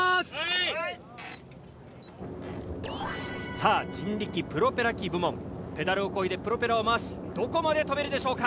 ・さあ人力プロペラ機部門ペダルを漕いでプロペラを回しどこまで飛べるでしょうか？